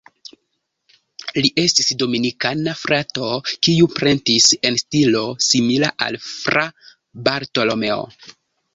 Li estis Dominikana frato kiu pentris en stilo simila al Fra Bartolomeo.